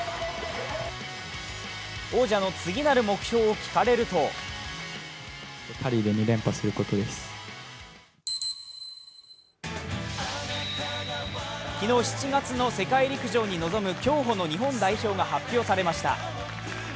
王者の次なる目標を聞かれると昨日７月の世界陸上に臨む競歩の日本代表が発表されました。